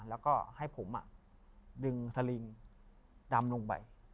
แล้วก็ให้ผมดึงสลิงดำลงไป